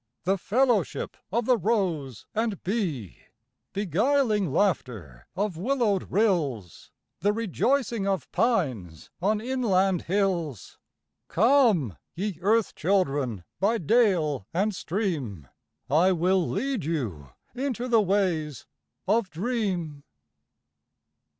The fellowship of the rose and bee, Beguiling laughter of willowed rills. The rejoicing of pines on inland hills. Come, ye earth children, by dale and stream, I will lead you into the ways of dream.